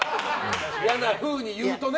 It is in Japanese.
嫌なふうに言うとね。